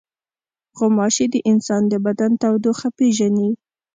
غوماشې د انسان د بدن تودوخه پېژني.